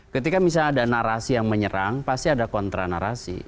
ketika misalnya ada narasi yang menyerang pasti ada kontra narasi